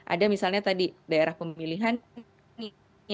ada misalnya tadi daerah pemilihan